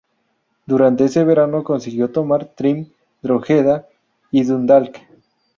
Durante ese verano, consiguió tomar Trim, Drogheda y Dundalk.